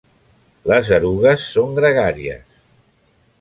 Les erugues són gregàries.